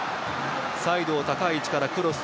サイドを高い位置からクロス。